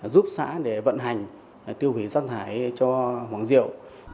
giúp xã để vận hành tiêu hủy rác thải cho hoàng diệu